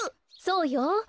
そうよ。